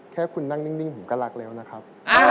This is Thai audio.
แค่คุณนั่งนิ่งผมก็รักแล้วนะครับ